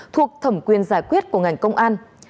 thuộc thẩm quyền giải quyết của ngành công an